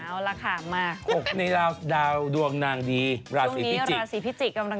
เอาล่ะค่ะมากหกในราวด์ดาวดวงนางดีราศีพิจิกกำลังขึ้น